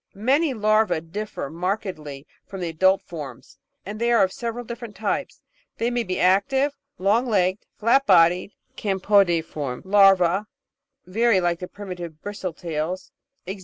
Many larvae differ markedly from the adult forms, and they are of several different types; they may be active, long legged, flat bodied (campodeiform) larvae (very like the primi tive Bristle tails), e.g.